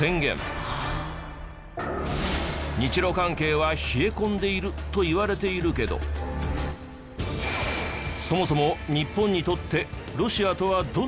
日露関係は冷え込んでいるといわれているけどそもそも日本にとってロシアとはどんな国なのか？